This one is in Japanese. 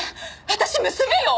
私娘よ！！